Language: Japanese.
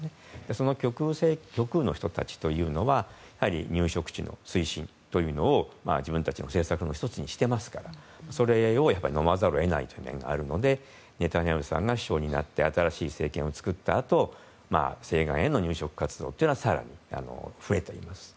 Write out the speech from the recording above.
その極右の人たちはやはり入植地の推進を自分たちの政策の１つにしていますからそれをのまざるを得ないという面があるのでネタニヤフさんが首相になって新しい政権を作ったあと、西岸への入植活動は更に増えています。